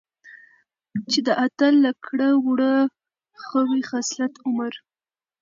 چې د اتل له کړه وړه ،خوي خصلت، عمر،